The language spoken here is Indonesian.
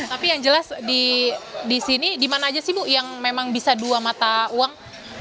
tapi yang jelas di sini di mana aja sih bu yang memang bisa dua mata uang